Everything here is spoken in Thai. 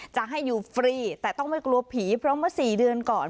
จะให้อยู่ฟรีแต่ต้องไม่กลัวผีเพราะเมื่อ๔เดือนก่อน